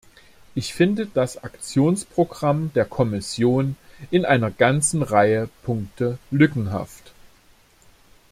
Ich finde das Aktionsprogramm der Kommission in einer ganzen Reihe Punkte lückenhaft.